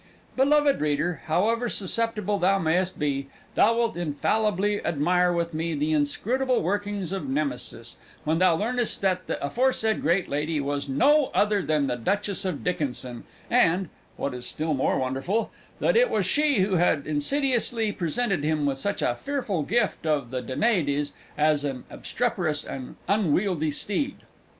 Beloved reader, however sceptical thou mayest be, thou wilt infallibly admire with me the inscrutable workings of Nemesis, when thou learnest that the aforesaid great lady was no other than the Duchess of Dickinson, and (what is still more wonderful) that it was she who had insidiously presented him with such a fearful gift of the Danaides as an obstreperous and unwieldy steed!